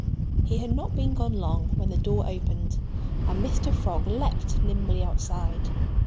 He had not been gone long when the door opened. And Mr. Frog leaped nimbly outside.